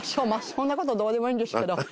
そんなことどうでもいいんですけど。